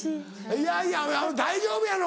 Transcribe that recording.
いやいや大丈夫やろ。